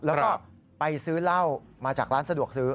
แล้วก็ไปซื้อเหล้ามาจากร้านสะดวกซื้อ